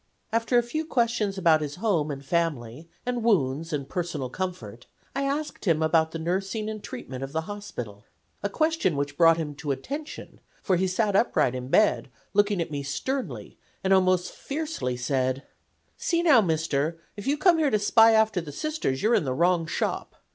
"After a few questions about his home and family, and wounds and personal comfort, I asked him about the nursing and treatment of the hospital, a question which brought him to 'attention,' for he sat upright in bed, looking at me sternly, and almost fiercely said: "'See, now Mister, if you come here to spy after the Sisters you're in the wrong shop.